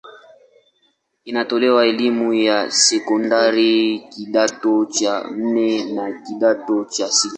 Inatoa elimu ya sekondari kidato cha nne na kidato cha sita.